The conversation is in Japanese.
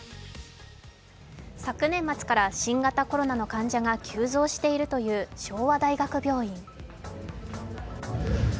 昨年末から新型コロナの患者が急増しているという昭和大学病院。